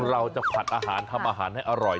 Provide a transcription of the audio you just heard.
เราจะผัดอาหารทำอาหารให้อร่อย